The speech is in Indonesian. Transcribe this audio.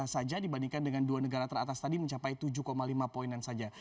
tiga satu empat saja dibandingkan dengan dua negara teratas tadi mencapai tujuh lima poin saja